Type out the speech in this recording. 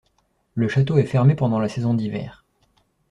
Le château est fermé pendant la saison d'hiver.